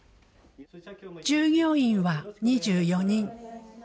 従業員は２４人。